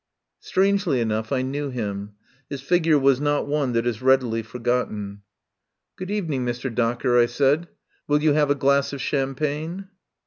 Strangely enough, I knew him. His figure was not one that is readily forgotten. "Good evening, Mr. Docker," I said. "Will you have a glass of champagne?"